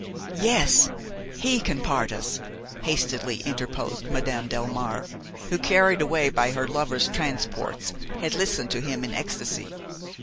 "Yes, he can part us!" hastily interposed Madame Delmare, who, carried away by her lover's transports, had listened to him in ecstasy.